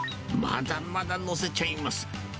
まだまだ載せちゃいます。